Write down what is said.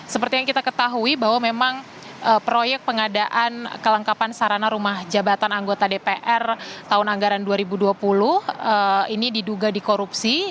seperti yang kita ketahui bahwa memang proyek pengadaan kelengkapan sarana rumah jabatan anggota dpr tahun anggaran dua ribu dua puluh ini diduga dikorupsi